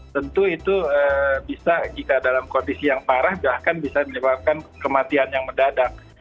tentu itu bisa jika dalam kondisi yang parah bahkan bisa menyebabkan kematian yang mendadak